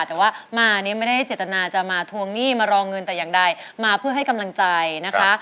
แต่ว่ามาเนี่ยไม่ได้เจตนาจะมาทวงหนี้มารอเงินแต่อย่างใดมาเพื่อให้กำลังใจนะคะ